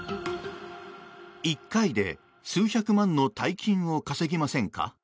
１回で数百万の大金を稼ぎませんか？